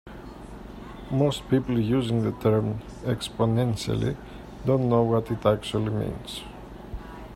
Most people using the term "exponentially" don't know what it actually means.